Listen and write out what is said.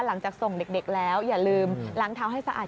หลังจากส่งเด็กแล้วอย่าลืมล้างเท้าให้สะอาด